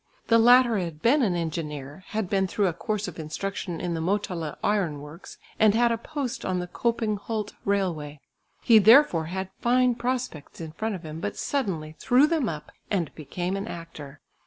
The latter had been an engineer, had been through a course of instruction in the Motala iron works, and had a post on the Köping Hult railway. He therefore had fine prospects in front of him, but suddenly threw them up, and became an actor.